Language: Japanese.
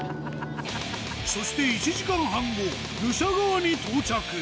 そして１時間半後、ルシャ川に到着。